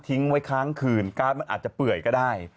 ทิ้งไว้คล้างคืนกราศอาจจะเปื่อยก็ได้